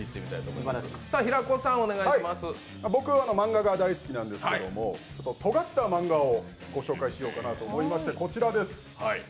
僕、漫画が大好きなんですけど、とがった漫画を御紹介しようと思いまして、こちらです。